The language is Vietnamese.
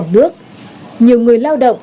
dòng nước nhiều người lao động